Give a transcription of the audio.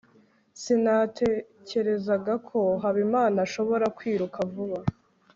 sinatekerezaga ko habimana ashobora kwiruka vuba